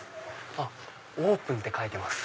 オープンって書いてます。